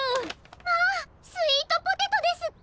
まあスイートポテトですって！？